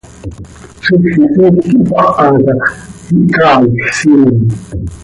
Zixquisiil quih paha ta x, ihcaaij, siim.